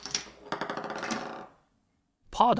パーだ！